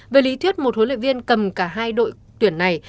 về lý thuyết một huấn luyện viên cầm cả hai đội tuyển này